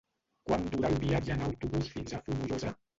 Quant dura el viatge en autobús fins a Fonollosa?